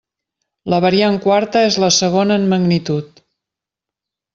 La variant quarta és la segona en magnitud.